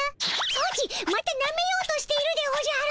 ソチまたなめようとしているでおじゃる。